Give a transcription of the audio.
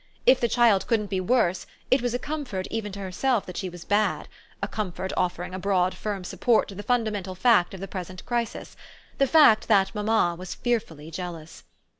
If the child couldn't be worse it was a comfort even to herself that she was bad a comfort offering a broad firm support to the fundamental fact of the present crisis: the fact that mamma was fearfully jealous.